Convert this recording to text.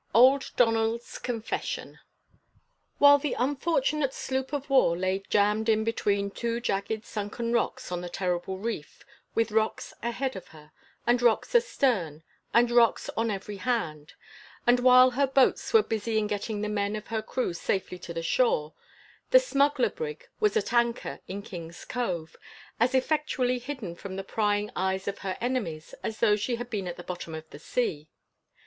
OLD DONALD'S CONFESSION. While the unfortunate sloop of war lay jammed in between two jagged sunken rocks of the terrible reef, with rocks ahead of her, and rocks astern and rocks on every hand; and while her boats were busy in getting the men of her crew safely to the shore, the smuggler brig was at anchor in King's Cove, as effectually hidden from the prying eyes of her enemies as though she had been at the bottom of the sea.